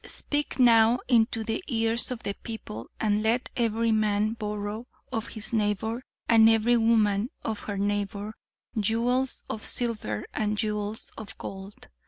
'Speak now into the ears of the people and let every man borrow of his neighbor and every woman of her neighbor jewels of silver and jewels of gold.'